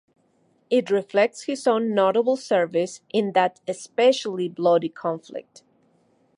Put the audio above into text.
It reflects his own notable service in that especially bloody conflict.